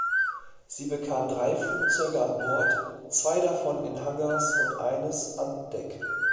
Sie bekam drei Flugzeuge an Bord, zwei davon in Hangars und eines an Deck.